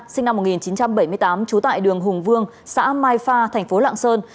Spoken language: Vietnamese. sinh năm một nghìn chín trăm bảy mươi tám trú tại đường hùng vương xã mai pha thành phố lạng sơn